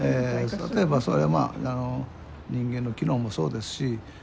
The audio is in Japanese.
例えばそれは人間の機能もそうですし。